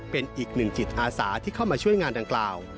เป็นอีกหนึ่งจิตอาสาที่เข้ามาช่วยงานดังกล่าว